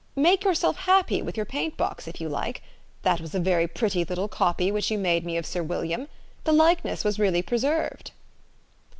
Make yourself happy with your paint box, if you like. That was a very pretty little copy which J T OU made me of Sir William. The likeness was really preserved."